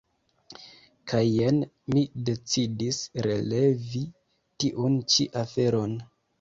Kaj jen mi decidis relevi tiun ĉi aferon.